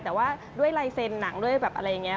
แต่ว่าด้วยลายเซ็นต์หนังด้วยแบบอะไรอย่างนี้